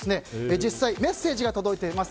実際メッセージが届いています。